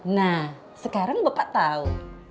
nah sekarang bapak tau